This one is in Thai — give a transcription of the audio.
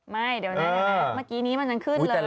มาด๊อกมันจะขึ้นพอสเทควะนี้